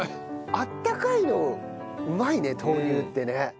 温かいのうまいね豆乳ってね。